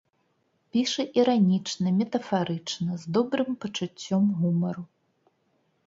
Піша іранічна, метафарычна, з добрым пачуццём гумару.